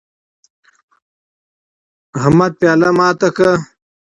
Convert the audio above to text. احمد پیاله ماته کړه